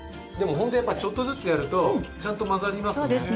ホントやっぱちょっとずつやるとちゃんと混ざりますね